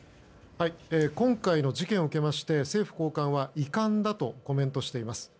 今回の事件を受けまして政府高官は遺憾だとコメントしています。